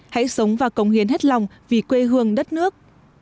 hãy sống và công hiến hết lòng vì quê hương đất nước